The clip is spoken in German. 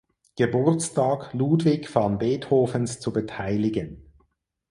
Geburtstag Ludwig van Beethovens zu beteiligen.